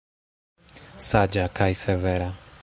Saĝa kaj severa.